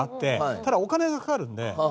ただお金がかかるんで。